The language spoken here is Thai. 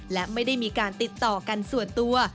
และไม่ได้มีการติดต่อกันส่วนตัว